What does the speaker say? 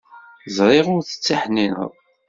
Ẓriɣ ur d-ttiḥnineḍ.